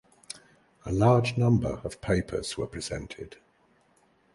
A large number of papers were presented.